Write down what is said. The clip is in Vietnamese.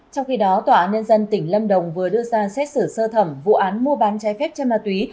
trong khi đó tòa án nhân dân tỉnh lâm đồng vừa đưa ra xét xử sơ thẩm vụ án mua bán trái phép chân ma túy